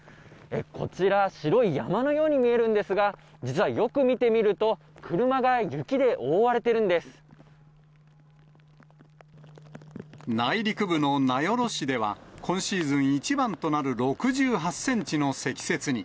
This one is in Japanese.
こちら、白い山のように見えるんですが、実はよく見てみると、内陸部の名寄市では、今シーズン一番となる６８センチの積雪に。